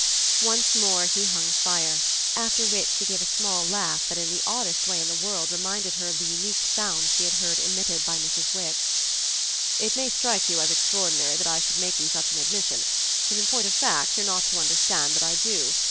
Once more he hung fire; after which he gave a small laugh that in the oddest way in the world reminded her of the unique sounds she had heard emitted by Mrs. Wix. "It may strike you as extraordinary that I should make you such an admission; and in point of fact you're not to understand that I do.